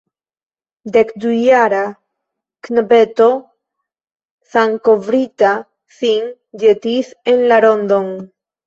Dekdujara knabeto sangkovrita sin ĵetis en la rondon.